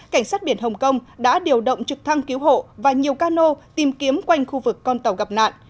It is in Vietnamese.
cảnh sát biển hồng kông đã điều động trực thăng cứu hộ và nhiều cano tìm kiếm quanh khu vực con tàu gặp nạn